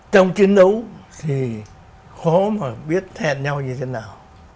trong chiến đấu thì khó mà biết hẹn nhau như thế nào